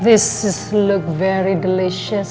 ini terlihat sangat enak